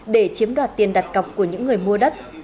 để chiếm đoạt tiền đặt cọc của những người mua đất